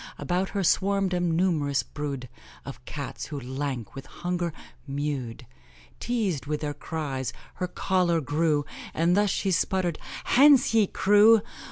About her swarmed a numerous brood Of Cats, who, lank with hunger, mewed; Teased with their cries, her choler grew, And thus she sputtered 'Hence, ye crew!